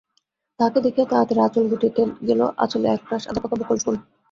তাহাকে দেখিয়া তাড়াতাড়ি আঁচল গুটািইতে গেল-আঁচলে একরাশ আধাপাকা বকুল ফল।